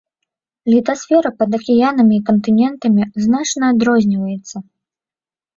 Літасфера пад акіянамі і кантынентамі значна адрозніваецца.